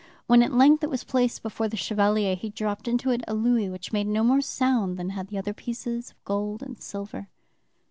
When at length it was placed before the Chevalier, he dropped into it a louis which made no more sound than had the other pieces of gold and silver.